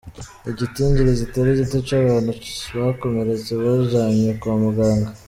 Igitigiri kitari gito c'abantu bakomeretse bajanywe kwa muganga.